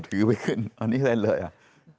ถือไปขึ้นอันนี้เล่นเลยอ่ะ